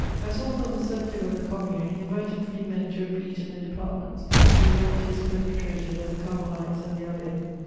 As author of the circular of the Commune, he invited free men to repeat in the departments the enormities perpetrated at the Carmelites and the Abbaye.